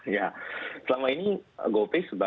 ya selama ini gope dan bank jago ini akan fokus di sana pak